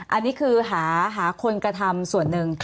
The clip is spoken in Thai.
อันนี้คือหาคนกระทำส่วนหนึ่ง